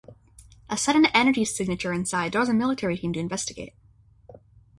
A sudden energy signature inside draws a military team to investigate.